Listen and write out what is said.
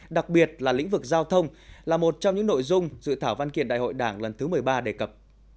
đặc biệt là lĩnh vực giao thông là một trong những nội dung dự thảo văn kiện đại hội đảng lần thứ một mươi ba đề cập